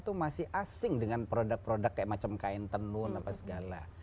itu masih asing dengan produk produk kayak macam kain tenun apa segala